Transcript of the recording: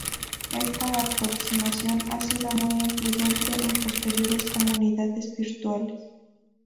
Esta aproximación ha sido muy influyente en posteriores comunidades virtuales.